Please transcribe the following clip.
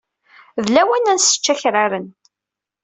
D lawan ad nessecc akraren.